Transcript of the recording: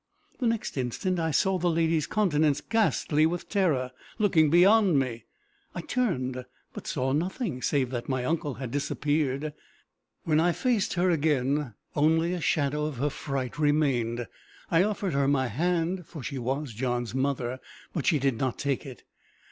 The next instant I saw the lady's countenance ghastly with terror, looking beyond me. I turned, but saw nothing, save that my uncle had disappeared. When I faced her again, only a shadow of her fright remained. I offered her my hand for she was John's mother, but she did not take it.